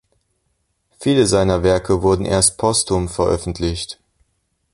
Viele seiner Werke wurden erst postum veröffentlicht.